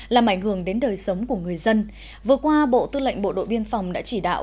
làm ảnh hưởng đến đời sống của người dân vừa qua bộ tư lệnh bộ đội biên phòng đã chỉ đạo